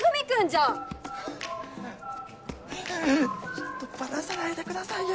ちょっとバラさないでくださいよ